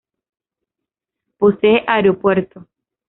Posee aeropuerto.